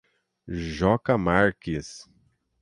Joca Marques